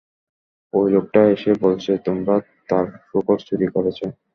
ওই লোকটা এসে বলছে তোমরা তার শূকর চুরি করেছ।